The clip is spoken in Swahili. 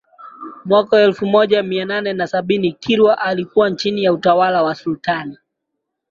mwaka elfu moja Mia nane na sabini Kilwa ilikuwa chini ya utawala wa sultani